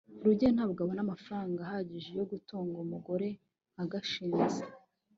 rugeyo ntabwo abona amafaranga ahagije yo gutunga umugore nka gashinzi